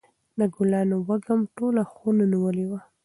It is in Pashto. د ګلانو وږم ټوله خونه نیولې وه.